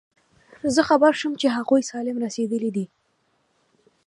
زه خبر شوم چې هغوی سالم رسېدلي دي.